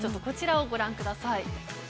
こちらをご覧ください。